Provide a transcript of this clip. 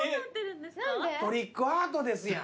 トリックアートですやん。